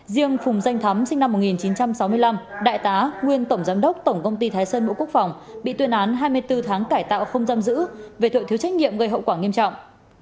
riêng phùng danh thắm sinh năm một nghìn chín trăm sáu mươi năm đại tá nguyên tổng giám đốc tổng công ty thái sơn bộ quốc phòng bị tuyên án hai mươi bốn tháng cải tạo không giam giữ về tội thiếu trách nhiệm gây hậu quả nghiêm trọng